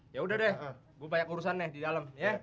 yaudah deh gue banyak urusan nih di dalem